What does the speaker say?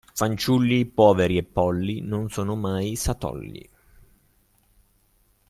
Fanciulli, poveri e polli, non sono mai satolli.